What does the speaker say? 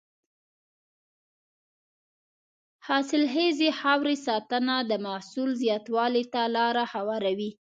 د حاصلخیزې خاورې ساتنه د محصول زیاتوالي ته لاره هواروي.